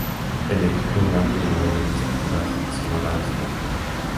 El equipo blanco llevó la iniciativa hasta que sonó la bocina final.